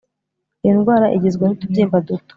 Iyo ndwara igizwe nutubyimba duto